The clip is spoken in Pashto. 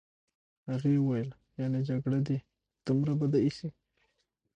هغې وویل: یعني جګړه دي دومره بده ایسي.